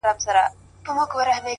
راهب په کليسا کي مردار ښه دی؛ مندر نسته